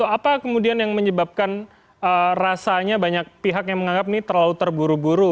apa kemudian yang menyebabkan rasanya banyak pihak yang menganggap ini terlalu terburu buru